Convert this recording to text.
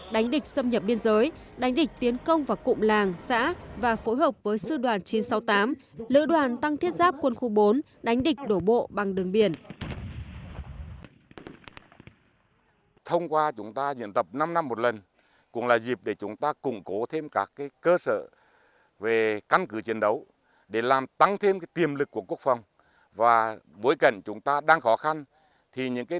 đánh địch xâm nhập biên giới đánh địch tiến công vào cụm làng xã và phối hợp với sư đoàn chín trăm sáu mươi tám lựa đoàn tăng thiết giáp quân khu bốn đánh địch đổ bộ bằng đường biển